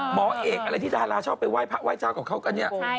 หมอเอกอะไรที่ดาราชอบไปไหว้พระไหว้เจ้ากับเขากันเนี่ย